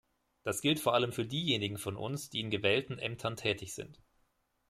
Das gilt vor allem für diejenigen von uns, die in gewählten Ämtern tätig sind.